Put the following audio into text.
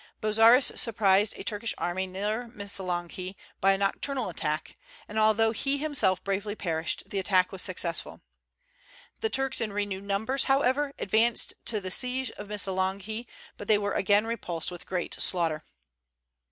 Bozzaris surprised a Turkish army near Missolonghi by a nocturnal attack, and although he himself bravely perished, the attack was successful. The Turks in renewed numbers, however, advanced to the siege of Missolonghi; but they were again repulsed with great slaughter.